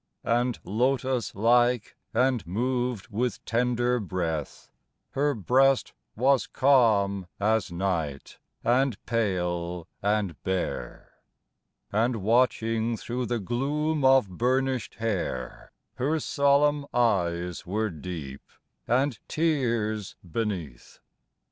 And lotos like and moved with tender breath, Her breast was calm as night and pale and bare, And, watching thro' the gloom of burnished hair, Her solemn eyes were deep, and tears beneath.